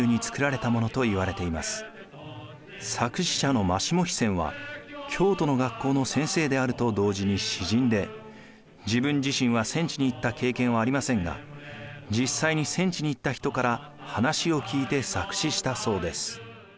作詞者の真下飛泉は京都の学校の先生であると同時に詩人で自分自身は戦地に行った経験はありませんが実際に戦地に行った人から話を聞いて作詞したそうです。